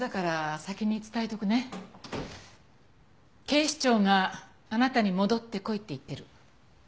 警視庁があなたに戻ってこいって言ってる。